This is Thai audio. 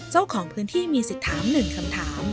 เจ้าของพื้นที่มีสิทธิ์ถาม๑คำถาม